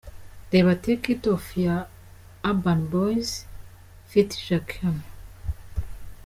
Reba Take it off ya Urban Boys ft Jackie hano:.